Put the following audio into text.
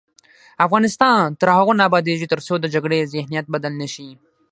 افغانستان تر هغو نه ابادیږي، ترڅو د جګړې ذهنیت بدل نه شي.